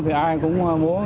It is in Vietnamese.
thì ai cũng muốn